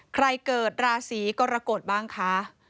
เกิดราศีกรกฎบ้างคะ